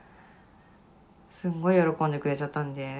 すんごい喜んでくれちゃったんで。